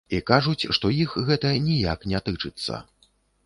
І кажуць, што іх гэта ніяк не тычыцца.